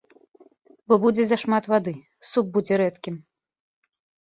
Бо будзе зашмат вады, суп будзе рэдкім.